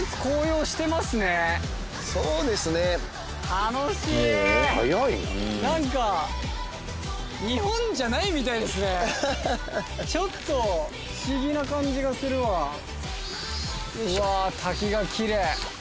楽しい何か日本じゃないみたいですねちょっと不思議な感じがするわうわ